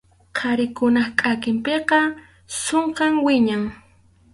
Qharikunap kʼakinpiqa sunkham wiñan.